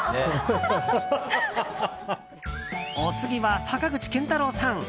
お次は坂口健太郎さん。